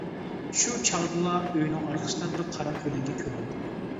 شۇ چاغدىلا ئۆينىڭ ئارقىسىدا بىر قارا كۆلەڭگە كۆرۈندى.